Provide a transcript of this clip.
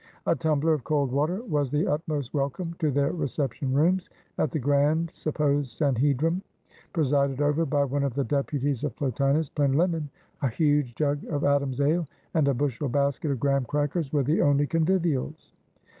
A tumbler of cold water was the utmost welcome to their reception rooms; at the grand supposed Sanhedrim presided over by one of the deputies of Plotinus Plinlimmon, a huge jug of Adam's Ale, and a bushel basket of Graham crackers were the only convivials.